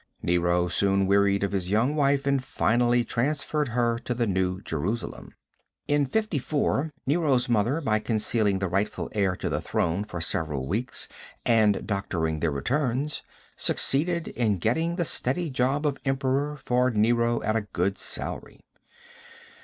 Nero soon wearied of his young wife and finally transferred her to the New Jerusalem. In 54, Nero's mother, by concealing the rightful heir to the throne for several weeks and doctoring the returns, succeeded in getting the steady job of Emperor for Nero at a good salary.